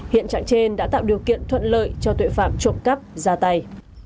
hiện trạng trên đã tạo điều kiện thuận lợi cho tội phạm trộm cắp ra tay